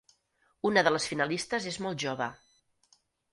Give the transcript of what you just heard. Una de les finalistes és molt jove.